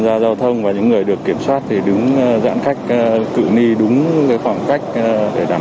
gia giao thông và những người được kiểm soát thì đứng giãn cách cự ni đúng với khoảng cách để đảm